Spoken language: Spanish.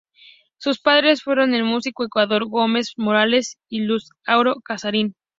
Sus padres fueron el músico Eduardo Gómez Morales y Luz Haro Casarín.